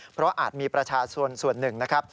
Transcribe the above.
เพราะอาจมีประชาชนส่วนหนึ่งนะครับ